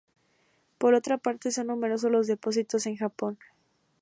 Por otra parte, son numerosos los depósitos en Japón.